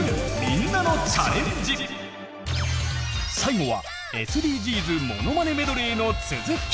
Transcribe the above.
最後はＳＤＧｓものまねメドレーの続き。